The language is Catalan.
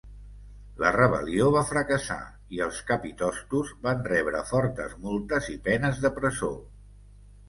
La rebel·lió va fracassar, i els capitostos van rebre fortes multes i penes de presó.